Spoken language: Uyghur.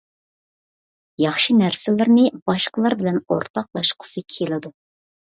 ياخشى نەرسىلىرىنى باشقىلار بىلەن ئورتاقلاشقۇسى كېلىدۇ.